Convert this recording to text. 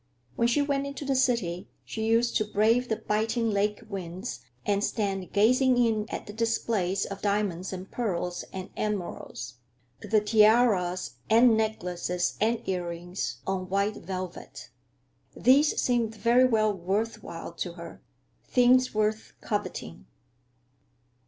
When she went into the city she used to brave the biting lake winds and stand gazing in at the displays of diamonds and pearls and emeralds; the tiaras and necklaces and earrings, on white velvet. These seemed very well worth while to her, things worth coveting.